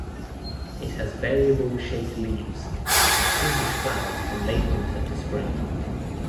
It has variable shaped leaves and pinkish flowers from late winter to spring.